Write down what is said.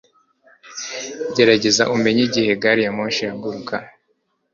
Gerageza umenye igihe gari ya moshi ihaguruka